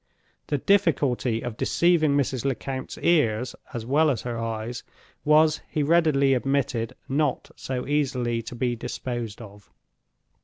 The difficulty of deceiving Mrs. Lecount's ears, as well as her eyes, was, he readily admitted, not so easily to be disposed of.